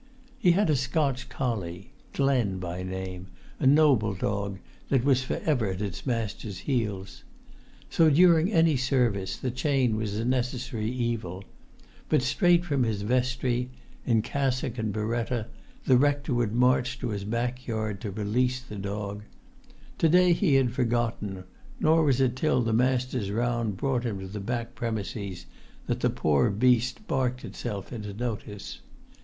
He had a Scotch collie, Glen by name, a noble dog, that was for ever at its master's heels. So, during any service, the chain was a necessary evil; but straight from his vestry, in cassock and biretta, the rector would march to his backyard to release the[Pg 35] dog. To day he had forgotten; nor was it till the master's round brought him to the back premises that the poor beast barked itself into notice.